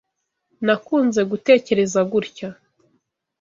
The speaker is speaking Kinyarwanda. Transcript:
Nakunze gutekereza gutya.